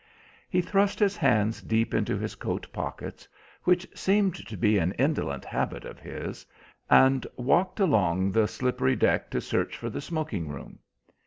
He thrust his hands deep into his coat pockets, which seemed to be an indolent habit of his, and walked along the slippery deck to search for the smoking room.